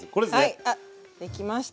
はいできました。